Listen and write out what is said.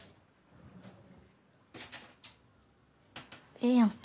ええやんけ。